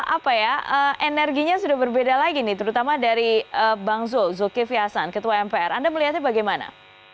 apa ya energinya sudah berbeda lagi nih terutama dari bang zul zulkifli hasan ketua mpr anda melihatnya bagaimana